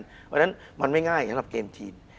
เพราะฉะนั้นมันไม่ง่ายสำหรับเกมทีม